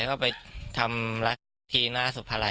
เขาก็ไปทำลักษณ์ทีหน้าสุภาลัย